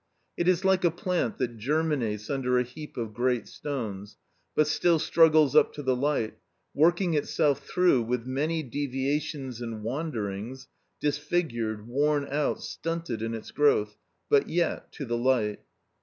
It is like a plant that germinates under a heap of great stones, but still struggles up to the light, working itself through with many deviations and windings, disfigured, worn out, stunted in its growth,—but yet, to the light.